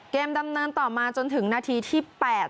ดำเนินต่อมาจนถึงนาทีที่๘